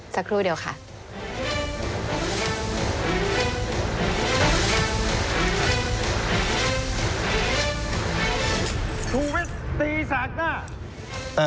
สักครู่เดียวค่ะ